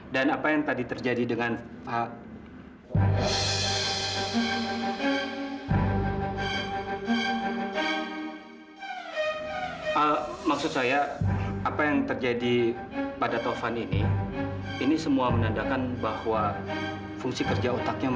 sampai jumpa di video selanjutnya